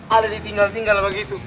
aldi tinggal tinggal begitu